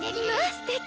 すてき！